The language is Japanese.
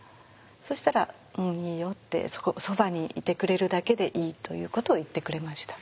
そしたら「うんいいよ」って「そばにいてくれるだけでいい」ということを言ってくれました。